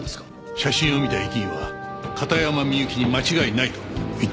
写真を見た駅員は「片山みゆきに間違いない」と言ってるそうだ。